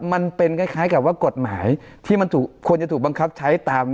มันเป็นคล้ายกับว่ากฎหมายที่มันควรจะถูกบังคับใช้ตาม